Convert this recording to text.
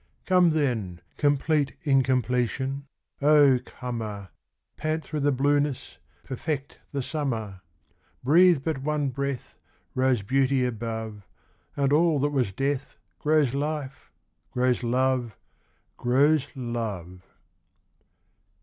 Come then, complete incompletion, O comer, Pant through the blueness, perfect the summer! Breathe but one breath Rose beauty above, And all that was death Grows life, grows love, Grows love!